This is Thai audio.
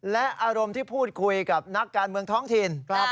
และอารมณ์ที่พูดคุยกับนักการเมืองท้องถิ่น